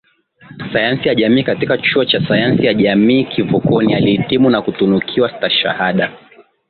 Sayansi ya Jamii katika Chuo cha Sayansi ya Jamii Kivukoni alihitimu na kutunukiwa stashahada